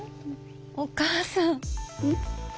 お母さん！